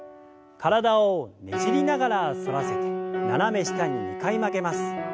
体をねじりながら反らせて斜め下に２回曲げます。